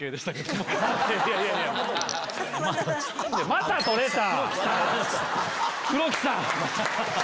また取れた！